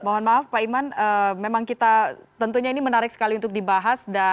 mohon maaf pak iman memang kita tentunya ini menarik sekali untuk dibahas